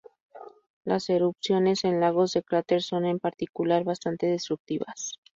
Las erupciones en lagos de cráter son en particular bastante destructivas.